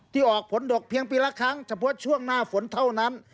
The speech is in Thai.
ออกผลดกเพียงปีละครั้งเฉพาะช่วงหน้าฝนเท่านั้น